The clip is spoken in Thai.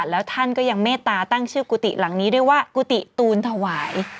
แล้วท่านก็ยังเมตตาตั้งชื่อกุฏิหลังนี้ด้วยว่ากุฏิตูนถวาย